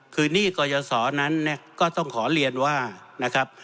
คือหนี้กรยสนั้นก็ต้องขอเรียนว่า